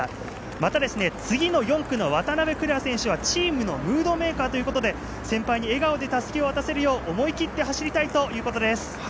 また、次の４区の渡邉来愛選手はチームのムードメーカーということで先輩に笑顔でたすきを渡せるよう思い切って走りたいということです。